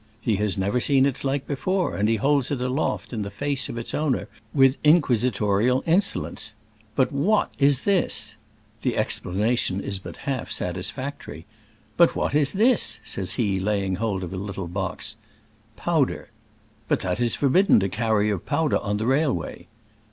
He has never seen its like before, and he holds it aloft in the the face of its owner with inquisitorial insolence :*' But what is this ?*' The explanation is but half satisfactory But what is thisV^ says he, laying hold of a little box. Powder." But that is forbidden to carry of powder on the railway."